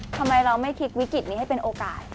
ทำไมเราไม่พลิกวิกฤตนี้ให้เป็นโอกาส